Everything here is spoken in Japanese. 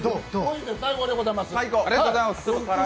最高でございます。